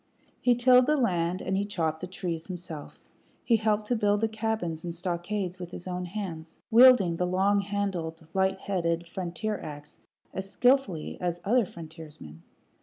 He tilled the land, and he chopped the trees himself; he helped to build the cabins and stockades with his own hands, wielding the longhandled, light headed frontier ax as skilfully as other frontiersmen.